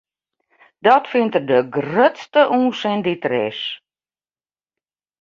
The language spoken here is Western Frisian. Dat fynt er de grutste ûnsin dy't der is.